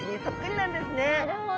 なるほど。